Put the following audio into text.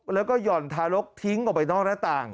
แล้วก็หย่อนทารกทิ้งออกไปนอกหน้าต่าง